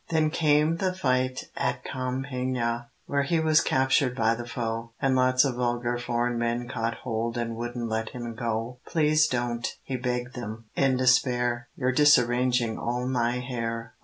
Then came the fight at Compiègne, Where he was captured by the foe, And lots of vulgar foreign men Caught hold and wouldn't let him go. "Please don't!" he begged them, in despair, "You're disarranging all my hair."